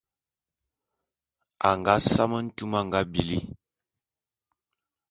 A nga same ntume a nga bili.